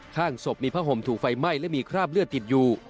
ข้างศพมีผ้าห่มถูกไฟไหม้และมีคราบเลือดติดอยู่